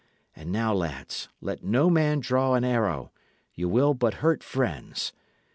And now, lads, let no man draw an arrow; ye will but hurt friends.